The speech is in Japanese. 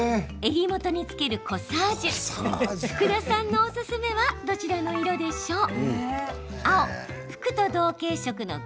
襟元につけるコサージュ福田さんのおすすめはどちらの色でしょう？